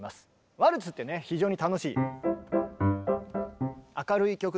ワルツってね非常に楽しい。